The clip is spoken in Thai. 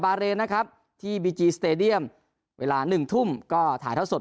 เรนนะครับที่บีจีสเตดียมเวลาหนึ่งทุ่มก็ถ่ายเท่าสด